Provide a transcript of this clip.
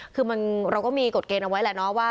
คือเราก็มีกฎเกณฑ์เอาไว้แหละเนาะว่า